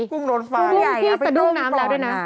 กุ้งที่สะดุ้งน้ำแล้วด้วยนะ